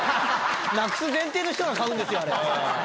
なくす前提の人が買うんですよあれ。